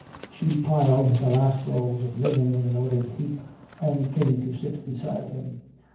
She piled the last rolls of linen in an ordered heap, and came to sit beside him.